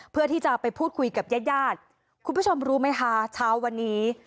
เพื่อที่จะไปพูดคุยกับญาติญาติคุณผู้ชมรู้ไหมคะเช้าวันนี้